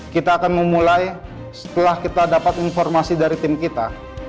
kita akan memulai setelah kita dapat informasi dari tim kita